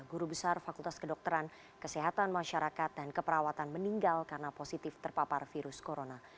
guru besar fakultas kedokteran kesehatan masyarakat dan keperawatan meninggal karena positif terpapar virus corona